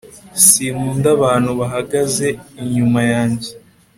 sinkunda abantu bahagaze inyuma yanjye